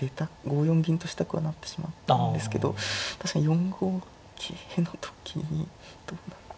四銀としたくはなってしまったんですけど確かに４五桂の時にどうなってる。